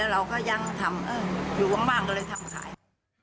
แล้วครูปิดยายทำอาณาได้ยังครับขนม